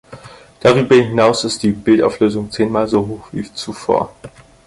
Darüber hinaus ist die Bildauflösung zehnmal so hoch wie zuvor.